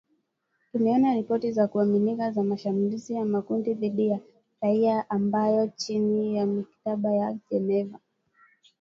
Tumeona ripoti za kuaminika za mashambulizi ya makusudi dhidi ya raia ambayo chini ya mikataba ya Geneva